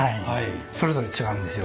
それぞれ違うんですよ。